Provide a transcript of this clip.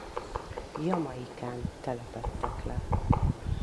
Jamaicán telepedtek le.